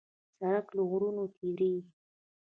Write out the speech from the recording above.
سړک له غرونو تېرېږي.